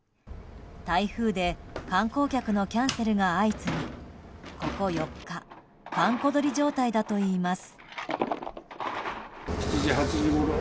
台風で観光客のキャンセルが相次ぎここ４日閑古鳥状態だといいます。